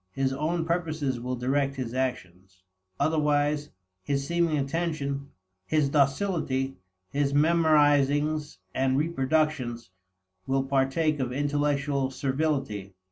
His own purposes will direct his actions. Otherwise, his seeming attention, his docility, his memorizings and reproductions, will partake of intellectual servility.